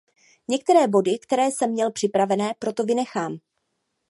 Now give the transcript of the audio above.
Některé body, které jsem měl připravené, proto vynechám.